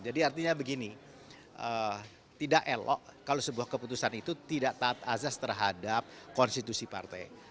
jadi artinya begini tidak elok kalau sebuah keputusan itu tidak tak azas terhadap konstitusi partai